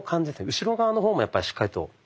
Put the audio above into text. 後ろ側の方もやっぱりしっかりと。